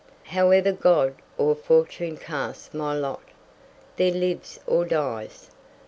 "However God or fortune cast my lot, There lives or dies...